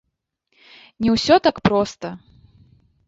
Не ўсё так проста.